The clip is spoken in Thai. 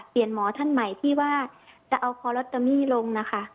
เปลี่ยนหมอท่านใหม่ที่ว่าจะเอาคอโรตามีลงนะคะ